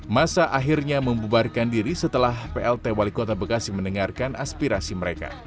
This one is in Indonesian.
masa akhirnya membubarkan diri setelah plt wali kota bekasi mendengarkan aspirasi mereka